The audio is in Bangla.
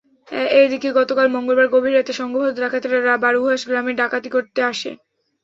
এদিকে গতকাল মঙ্গলবার গভীর রাতে সংঘবদ্ধ ডাকাতেরা বারুহাঁস গ্রামে ডাকাতি করতে আসে।